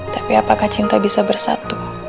tapi apakah cinta bisa bersatu